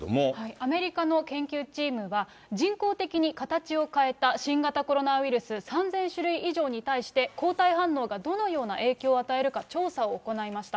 アメリカの研究チームが、人工的に形を変えた新型コロナウイルス３０００種類以上に対して、抗体反応がどのような影響を与えるか調査を行いました。